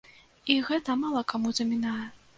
І гэта мала каму замінае.